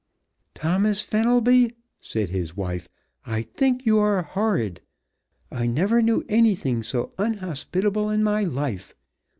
"Thomas Fenelby," said his wife, "I think you are horrid! I never knew anything so unhospitable in my life.